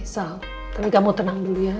tapi kamu tenang dulu ya